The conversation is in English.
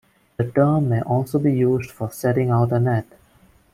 The term may also be used for setting out a net.